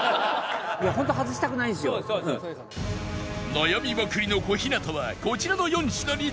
悩みまくりの小日向はこちらの４品に注目